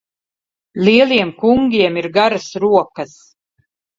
Lieliem kungiem ir garas rokas.